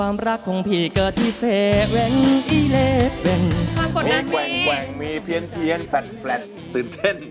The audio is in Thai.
มีแขวงมีเพี้ยนแฟนตื่นเต้น